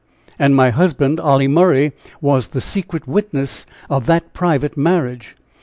And my husband, Olly Murray, was the secret witness of that private marriage."